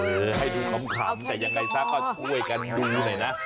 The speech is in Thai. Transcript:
ให้ดูขำแต่ยังไงซะก็ช่วยกันดูหน่อยนะ